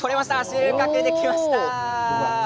収穫できました。